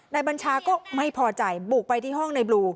บัญชาก็ไม่พอใจบุกไปที่ห้องในบลู